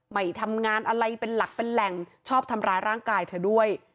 ไม่ทำงานอะไรเป็นหลักเป็นแหล่งชอบทำร้ายร่างกายเธอด้วย